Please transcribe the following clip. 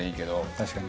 確かに。